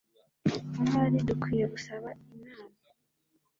Ahari dukwiye gusaba inama.